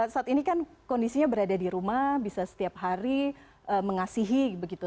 saat ini kan kondisinya berada di rumah bisa setiap hari mengasihi begitu